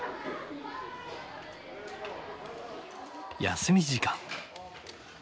休み時間。